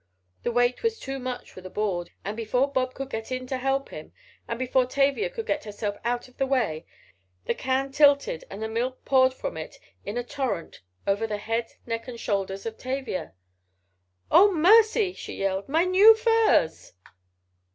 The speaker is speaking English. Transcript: The weight was too much for the board, and before Bob could get in to help him, and before Tavia could get herself out of the way, the can tilted and the milk poured from it in a torrent over the head, neck and shoulders of Tavia! "Oh, mercy!" she yelled. "My new furs!"